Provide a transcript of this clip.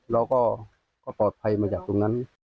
เราก็ปลอดภัยมาจากตรงนั้น